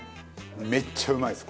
めっちゃうまいです。